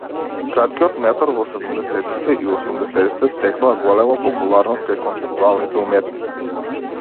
Краткиот метар во седумдесеттите и осумдесеттите стекнува голема популарност кај концептуалните уметници.